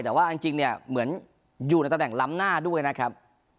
แต่ว่าจริงเนี่ยเหมือนอยู่ในตำแหน่งล้ำหน้าด้วยนะครับ